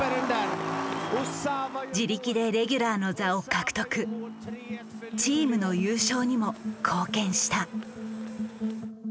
自力でレギュラーの座を獲得チームの優勝にも貢献した。